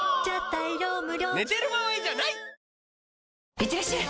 いってらっしゃい！